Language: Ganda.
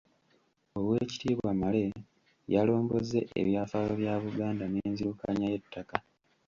Oweekitiibwa Male yalombozze ebyafaayo bya Buganda n'enzirukanya y'ettaka.